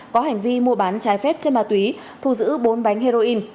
có hành vi mua bán trái phép chất ma túy thu giữ bốn bánh heroin